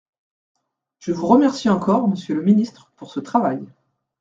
Je vous remercie encore, monsieur le ministre, pour ce travail.